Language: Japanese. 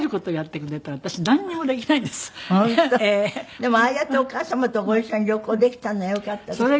でもああやってお母様とご一緒に旅行できたのはよかったですね。